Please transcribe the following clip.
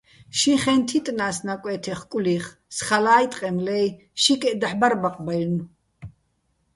ში ხეჼ თიტნა́ს ნაკვე́თე ხკული́ხ, სხალაჲ, ტყემლე́ჲ, შიკეჸ დაჰ̦ ბარ ბაყბაჲლნო̆.